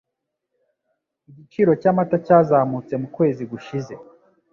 Igiciro cyamata cyazamutse mukwezi gushize.